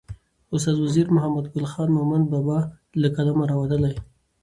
استاد وزیر محمدګل خان مومند بابا له قلمه راوتلې.